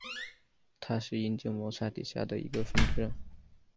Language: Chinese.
它是阴茎摩擦底下的一个分支。